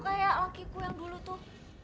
sama tuh kayak laki laki yang dulu tuh